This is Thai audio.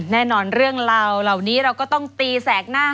แน่นอนเรื่องราวเหล่านี้เราก็ต้องตีแสกหน้า